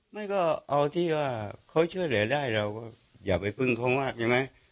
ไม่ก็เอาที่ว่าเขาช่วยเหลือได้เราก็อย่าไปพึ่งเขามากใช่ไหม